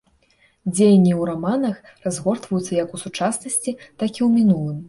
Дзеянні ў раманах разгортваюцца як ў сучаснасці, так і ў мінулым.